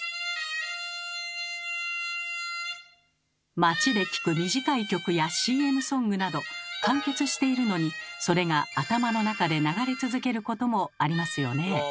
街で聞く短い曲やＣＭソングなど完結しているのにそれが頭の中で流れ続けることもありますよね。